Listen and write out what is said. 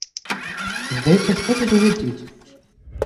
Здаецца, што тут глядзець?